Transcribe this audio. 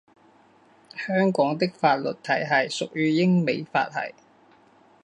香港的法律体系属于英美法系。